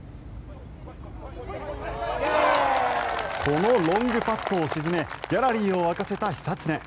このロングパットを沈めギャラリーを沸かせた久常。